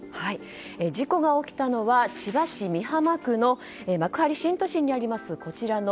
事故が起きたのは千葉市美浜区の幕張新都心にあります